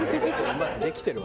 うまくできてるわ。